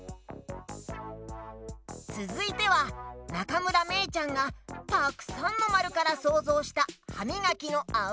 つづいてはなかむらめいちゃんが「たくさんのまる」からそうぞうしたはみがきのあわです！